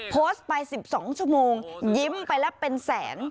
โพสต์ไป๑๒ชั่วโมงยิ้มไปแล้วเป็นแสน